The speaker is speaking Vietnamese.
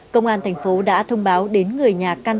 công an thành phố đã thông báo đến người nhà căn